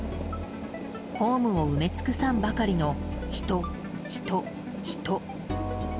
ホームを埋め尽くさんばかりの人、人、人。